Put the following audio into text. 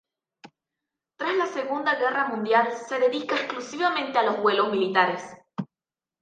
Tras la Segunda Guerra Mundial se dedica exclusivamente a vuelos militares.